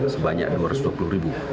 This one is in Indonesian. sebanyak dua ratus dua puluh ribu